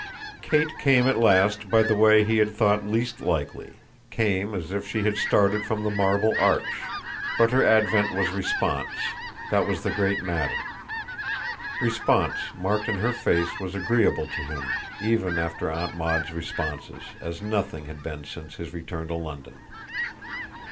Kate came at last by the way he had thought least likely, came as if she had started from the Marble Arch; but her advent was response that was the great matter; response marked in her face and agreeable to him, even after Aunt Maud's responses, as nothing had been since his return to London.